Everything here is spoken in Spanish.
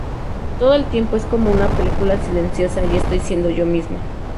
Todo el tiempo es como una película silenciosa y estoy siendo yo misma.